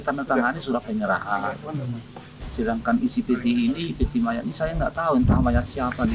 tanda tangani surat penyerahan sedangkan isi peti ini peti mayat saya enggak tahu entah mayat siapa di